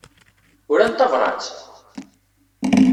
Uran tabṛat?